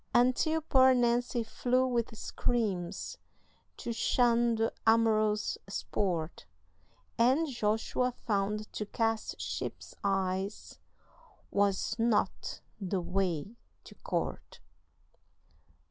Until poor Nancy flew with screams, To shun the amorous sport, And Joshua found to cast sheep's eyes Was not the way to court.